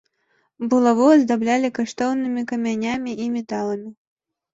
Булаву аздаблялі каштоўнымі камянямі і металамі.